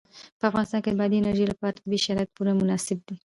په افغانستان کې د بادي انرژي لپاره طبیعي شرایط پوره مناسب دي.